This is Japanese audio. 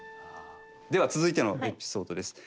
では続いてのエピソードです。